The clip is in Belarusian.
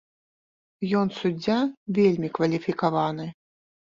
Ён суддзя вельмі кваліфікаваны.